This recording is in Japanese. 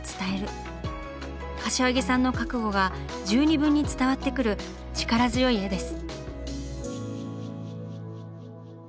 柏木さんの覚悟が十二分に伝わってくる力強い絵です。